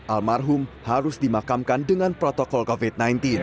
almarhum harus dimakamkan dengan protokol covid sembilan belas